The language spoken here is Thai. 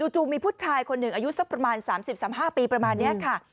จู่มีผู้ชายคนหนึ่งอายุสักประมาณ๓๐๓๕ปีประมาณนี้ค่ะ